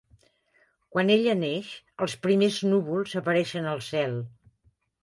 Quan ella neix, els primers núvols apareixen al cel.